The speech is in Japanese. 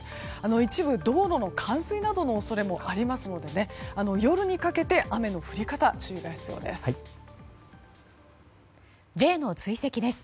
一部、道路の冠水の恐れもあるので夜にかけて雨の降り方に注意が必要です。